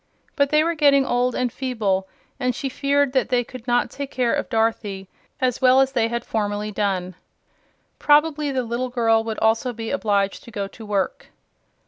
But they were getting old and feeble and she feared that they could not take care of Dorothy as well as they had formerly done. Probably the little girl would also be obliged to go to work.